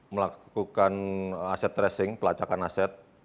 melakukan aset tracing pelacakan aset